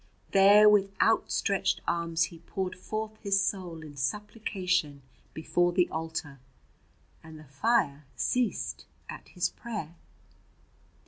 There with outstretched arms he poured forth his soul in supplication before the altar, and the fire ceased at his prayer.